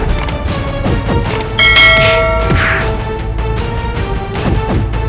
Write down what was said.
ketika ada sisi aku